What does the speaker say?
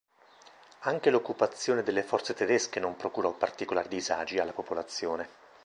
Anche l'occupazione delle forze tedesche non procurò particolari disagi alla popolazione.